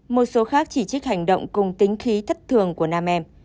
một số khác chỉ trích hành động cùng tính khí thất thường của nam em